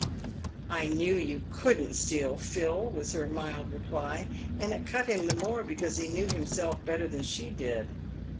('" I knew you couldn't steal, Phil," was her mild reply, and it cut him the more because he knew himself better than she did.